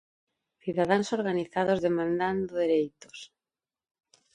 Cidadáns organizados demandando dereitos.